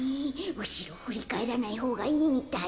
うしろをふりかえらないほうがいいみたい。